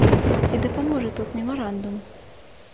Ці дапаможа тут мемарандум?